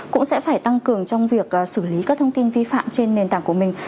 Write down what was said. cũng sẽ phải tăng cường trong việc xử lý các thông tin vi phạm trên nền tảng của mình